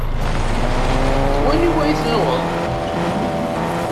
D waniwa i tennuɣeḍ?